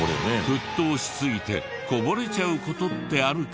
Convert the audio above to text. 沸騰しすぎてこぼれちゃう事ってあるけど。